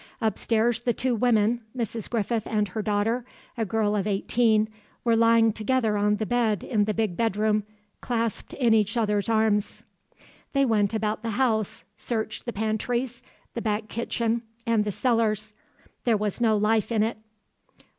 Upstairs the two women, Mrs. Griffith and her daughter, a girl of eighteen, were lying together on the bed in the big bedroom, clasped in each others' arms. They went about the house, searched the pantries, the back kitchen and the cellars; there was no life in it.